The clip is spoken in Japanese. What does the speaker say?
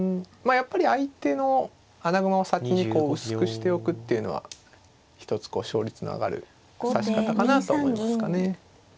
やっぱり相手の穴熊を先にこう薄くしておくっていうのは一つ勝率の上がる指し方かなと思いますかね。